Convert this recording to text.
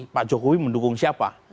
pak jokowi mendukung siapa